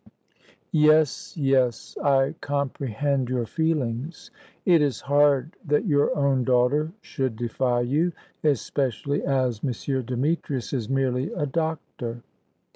"Yes, yes; I comprehend your feelings. It is hard that your own daughter should defy you, especially as M. Demetrius is merely a doctor."